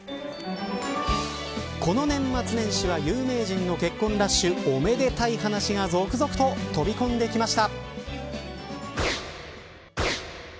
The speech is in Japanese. この年末年始は有名人の結婚ラッシュおめでたい話が続々と飛び込んできました。